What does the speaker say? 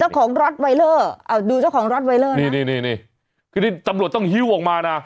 เจ้าของรอสไวเลอร์อ่ะดูเจ้าของรอสไวเลอร์น่ะนี่นี่นี่คือนี่ตำรวจต้องหิ้วออกมาน่ะ